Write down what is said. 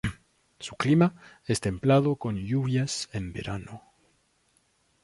Su clima es templado con lluvias en verano.